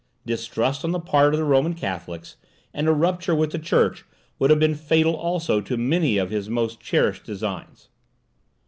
Distrust on the part of the Roman Catholics, and a rupture with the church, would have been fatal also to many of his most cherished designs.